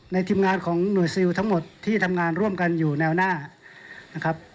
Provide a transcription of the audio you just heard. ทีมงานของหน่วยซิลทั้งหมดที่ทำงานร่วมกันอยู่แนวหน้านะครับ